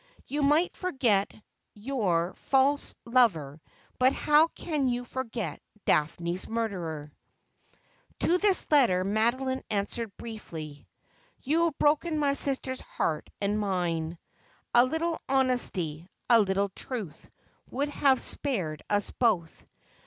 You might forget your false lover, but how can you forget Daphne's murderer ?' To this letter Madeline answered briefly :' You have broken my sister's heart and mine. A little honesty, a little truth, would have spared us both.